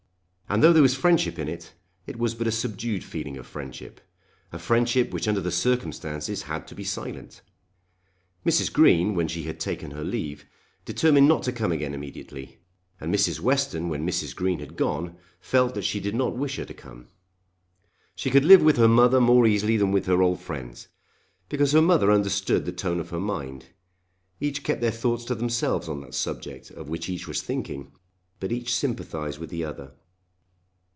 And though there was friendship in it, it was but a subdued feeling of friendship, of friendship which under the circumstances had to be made silent. Mrs. Green when she had taken her leave determined not to come again immediately, and Mrs. Western when Mrs. Green had gone felt that she did not wish her to come. She could live with her mother more easily than with her old friends, because her mother understood the tone of her mind. Each kept their thoughts to themselves on that subject of which each was thinking; but each sympathised with the other.